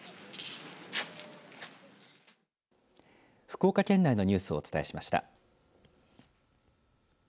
福岡県内のニュースをお伝えしました。